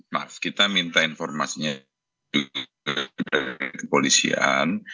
maaf kita minta informasinya juga dari kepolisian